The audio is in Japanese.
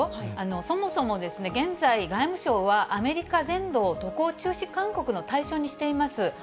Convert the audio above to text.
そもそも現在、外務省はアメリカ全土を渡航中止勧告の対象にしています。